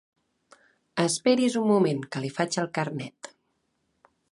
Esperi's un moment que li faig el carnet.